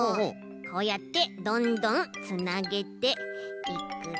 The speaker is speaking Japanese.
こうやってどんどんつなげていくと。